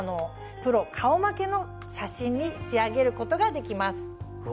プロ顔負けの写真に仕上げることができます。